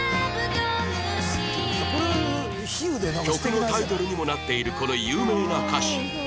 曲のタイトルにもなっているこの有名な歌詞